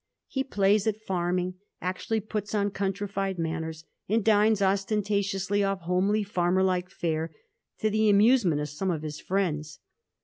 He plays at farming, actually puts on countrified manners, and dines ostentatiously off homely farmer like fare, to the amusement of some of his Mends.